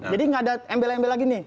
jadi nggak ada embel embel lagi nih